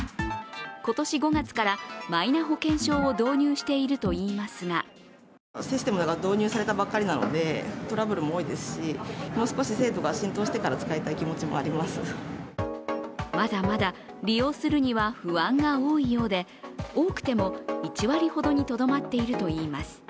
今年５月からマイナ保険証を導入しているといいますがまだまだ利用するには不安が多いようで多くても１割ほどにとどまっているといいます。